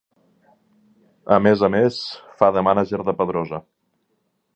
A més a més, fa de mànager de Pedrosa.